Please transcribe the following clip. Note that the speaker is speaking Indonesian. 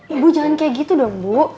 ibu jalan kayak gitu dong bu